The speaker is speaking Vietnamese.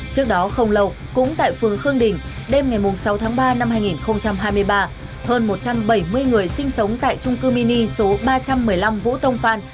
trước đó không lâu cũng tại phường khương đình đêm ngày sáu tháng ba năm hai nghìn hai mươi ba hơn một trăm bảy mươi người sinh sống tại trung cư mini số ba trăm một mươi năm vũ tông phan